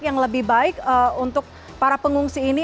yang lebih baik untuk para pengungsi ini